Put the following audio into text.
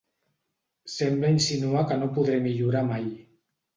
Sembla insinuar que no podré millorar mai.